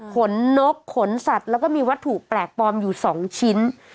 ขนนกขนสัตว์แล้วก็มีวัตถุแปลกปลอมอยู่๒ชิ้น